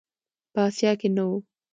په آسیا کې نه و.